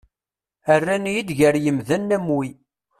Rran-iyi-d gar yimdanen am wi.